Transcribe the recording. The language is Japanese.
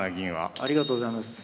ありがとうございます。